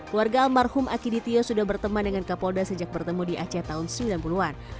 keluarga almarhum akiditio sudah berteman dengan kapolda sejak bertemu di aceh tahun sembilan puluh an